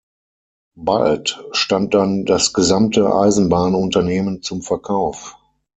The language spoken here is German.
Bald stand dann das gesamte Eisenbahnunternehmen zum Verkauf.